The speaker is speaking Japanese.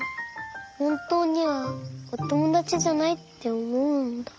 ほんとうにはおともだちじゃないっておもうんだ。